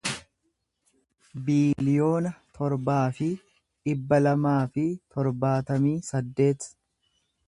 biiliyoona torbaa fi dhibba lamaa fi torbaatamii saddeet